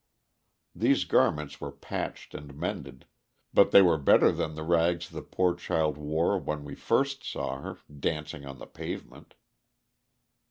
These garments were patched and mended, but they were better than the rags the poor child wore when we first saw her, dancing on the pavement.